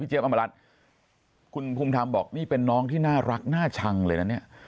อำมารัฐคุณภูมิธรรมบอกนี่เป็นน้องที่น่ารักน่าชังเลยนะเนี่ย